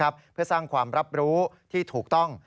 เพื่อสร้างความรับรู้ที่ถูกต้อง